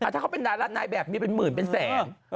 ถ้าเขาเป็นดารานายแบบมีเป็นหมื่นเป็นแสน